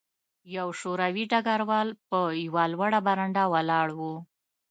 یو شوروي ډګروال په یوه لوړه برنډه ولاړ و